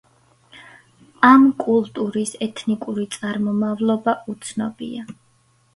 ამ კულტურის ეთნიკური წარმომავლობა უცნობია.